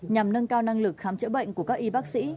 nhằm nâng cao năng lực khám chữa bệnh của các y bác sĩ